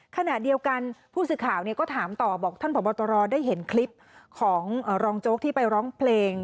ขณะเดียวกันผู้สื่อข่าวก็ถามต่อบอกท่านผอบตรได้เห็นคลิปของรองโจ๊กที่ไปร้องเพลง